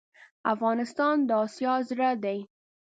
افغانستان دا اسیا زړه ډی